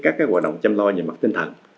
các hoạt động chăm lo về mặt tinh thần